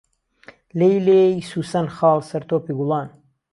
لەیلێی سوسەن خاڵ سەر تۆپی گوڵان